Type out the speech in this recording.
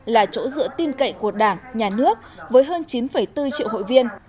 là chỗ dựa tin cậy của đảng nhà nước với hơn chín bốn triệu hội viên